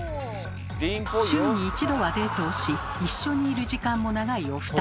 週に１度はデートをし一緒にいる時間も長いお二人。